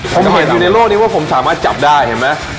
ผมเห็นอยู่ในโลกนี้ว่าผมสามารถจับได้เห็นไหม